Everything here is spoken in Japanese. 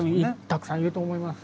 たくさんいると思います。